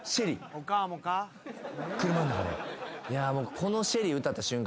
この『シェリー』歌った瞬間